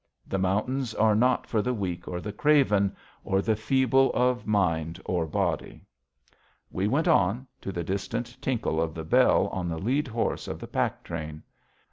The mountains are not for the weak or the craven, or the feeble of mind or body. We went on, to the distant tinkle of the bell on the lead horse of the pack train.